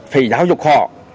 phải giáo dục họ